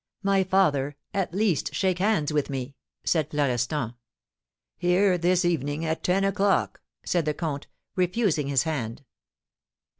"My father, at least shake hands with me!" said Florestan. "Here this evening at ten o'clock," said the comte, refusing his hand.